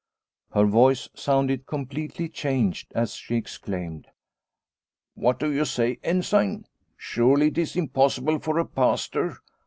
Her voice sounded completely changed as she exclaimed :" What do you say, Ensign ? Surely, it is impossible for a pastor